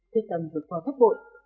thế tầm vượt qua phát bội